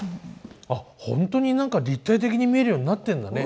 あっ本当に何か立体的に見えるようになってんだね。